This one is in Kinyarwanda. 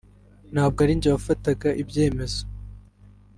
ntabwo ari njye wafataga ibyemezo